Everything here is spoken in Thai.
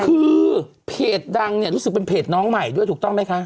คือเพจดังเนี่ยรู้สึกเป็นเพจน้องใหม่ด้วยถูกต้องไหมคะ